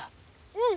うん。